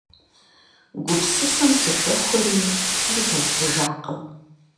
Гупсысэм сыхэхуэри зыри пэздзыжакъым.